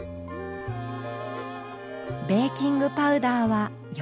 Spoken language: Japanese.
ベーキングパウダーは４ｇ。